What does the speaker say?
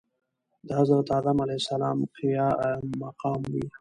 دحضرت ادم عليه السلام قايم مقام وي .